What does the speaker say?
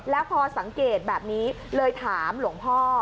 แล้วพอสังเกตแบบนี้เลยถามหลวงพ่อ